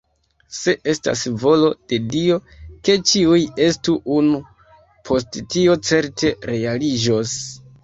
Se estas volo de Dio, ke ĉiuj estu unu, poste tio certe realiĝos.